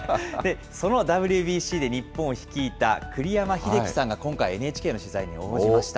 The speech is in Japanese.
そのＷＢＣで日本を率いた栗山英樹さんが今回、ＮＨＫの取材に応じました。